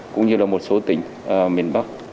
cũng như là một số tỉnh miền bắc